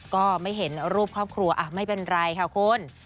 ก็ไม่เห็นรูปครอบครัวไม่เป็นไรค่ะคุณ